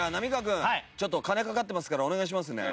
君ちょっと金かかってますからお願いしますね。